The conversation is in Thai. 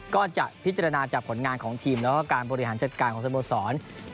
ก็จะพิจารณาจากผลงานของทีมแล้วก็การบริหารจัดการของสโมสร